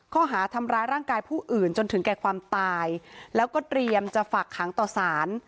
ข้อหาทำร้ายร่างกายผู้อื่นจนถึงแก่ความตายแล้วก็เตรียมจะฝากขังต่อสาร